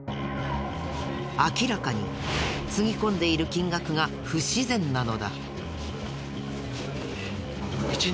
明らかにつぎ込んでいる金額が不自然なのだ。